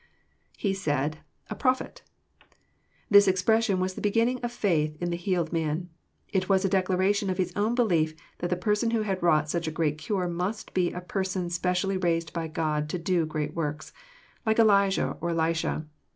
\_He said... a prophet,] This expression was the beginning of faith in thejiealed man. It was a declaration of hi_s own belief that the Person who had wrought such a great cure must, be a Person specially raised by God to do great works, like Elijah or Elisha.